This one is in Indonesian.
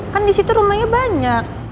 kan di situ rumahnya banyak